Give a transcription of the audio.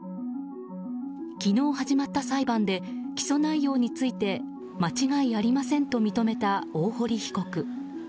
昨日始まった裁判で起訴内容について間違いありませんと認めた大堀被告。